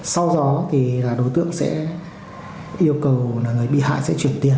sau đó thì là đối tượng sẽ yêu cầu người bị hại sẽ truyền tiền